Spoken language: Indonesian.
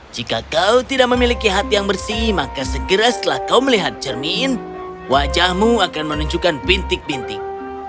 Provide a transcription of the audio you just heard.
jika kau tidak memiliki hati yang bersih maka segera setelah kau melihat cermin wajahmu akan menunjukkan bintik bintik